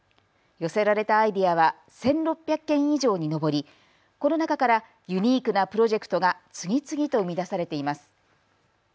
寄せられたアイデアは１６００件以上に上り、この中からユニークなプロジェクトが次々と生み出されています。